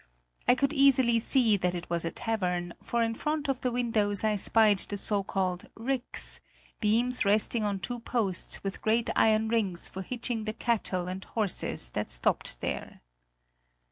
I could easily see that it was a tavern, for in front of the windows I spied the so called "ricks," beams resting on two posts with great iron rings for hitching the cattle and horses that stopped there.